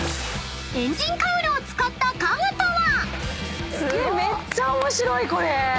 ［エンジンカウルを使った家具とは⁉］